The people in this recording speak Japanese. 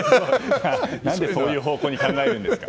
なんでそういう方向に考えるんですか。